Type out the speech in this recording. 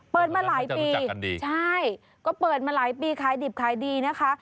เปิดมาหลายปีใช่ก็เปิดมาหลายปีขายดิบขายดีนะคะ